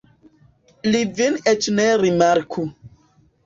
Li vin eĉ ne rimarku.